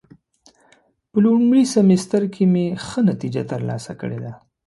په لومړي سمستر کې مې ښه نتیجه ترلاسه کړې ده.